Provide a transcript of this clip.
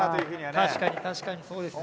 確かに、確かに、そうですね。